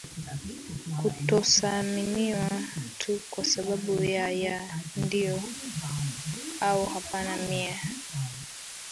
kutosaminiwa tu kwa sababu ya ya ndiyo au hapana mie